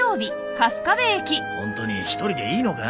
ホントに１人でいいのか？